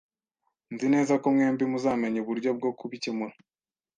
Nzi neza ko mwembi muzamenya uburyo bwo kubikemura.